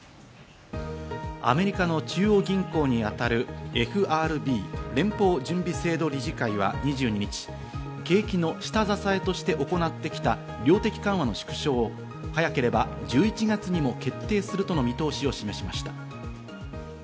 アメリカの中央銀行にあたるＦＲＢ＝連邦準備制度理事会は２２日、景気の下支えとして行ってきた量的緩和の縮小を早ければ１１月にも決定するとの見通しを示しました。